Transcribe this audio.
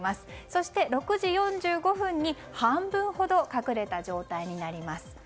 そして６時４５分に半分ほど隠れた状態になります。